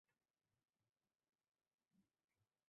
Asfalt dala yo‘lidan borar edik.